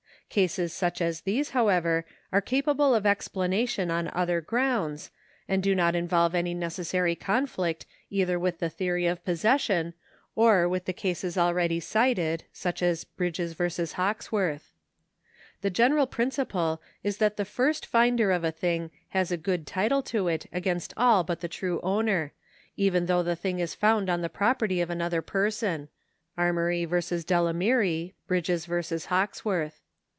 Cases such as these, however, are capable of explanation on other grounds, and do not involve any necessary conflict either with the theory of possession or with the cases already cited, such as Bridges v. Hawkes worth. The general principle is that the first finder of a thing has a good title to it against all but the true owner, even though the thing is found on the property of another person {Armory v. Delamirie,^ Bridges v. Haivkes worth).